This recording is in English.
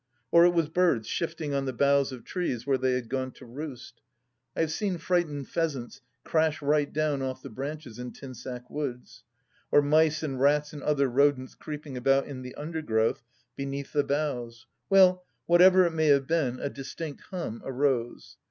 ... Or it was birds shifting on the boughs of trees where they had gone to roost (I have seen frightened pheasants crash right down off the branches in Tinsack woods), or mice and rats and other rodents creeping about in the undergrowth beneath the boughs — ^well, what ever it may have been, a distinct hum arose.